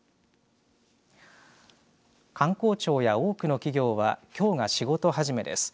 官公庁や多くの企業はきょうが仕事始めです。